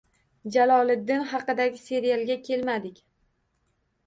Jaloliddin haqidagi serialga kelmadik.